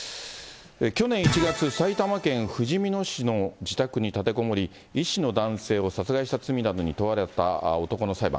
去年１月、埼玉県ふじみ野市の自宅に立てこもり、医師の男性を殺害した罪などに問われた男の裁判。